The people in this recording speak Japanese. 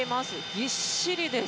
ぎっしりです。